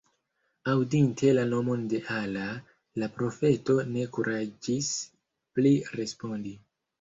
Aŭdinte la nomon de Allah, la profeto ne kuraĝis pli respondi.